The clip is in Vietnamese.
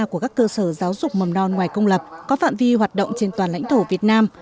của các cơ sở giáo dục mầm non ngoài công lập có phạm vi hoạt động trên toàn lãnh thổ việt nam